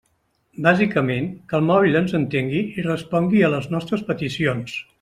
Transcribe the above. Bàsicament, que el mòbil ens entengui i respongui a les nostres peticions.